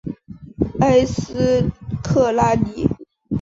埃斯克拉尼。